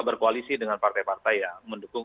berkoalisi dengan partai partai yang mendukung